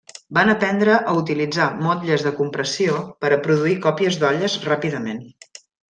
Van aprendre a utilitzar motlles de compressió per a produir còpies d'olles ràpidament.